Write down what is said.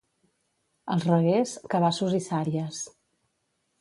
Als Reguers, cabassos i sàries.